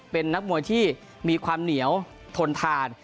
เป็นนักมวยที่มีความเหนียวทนทาน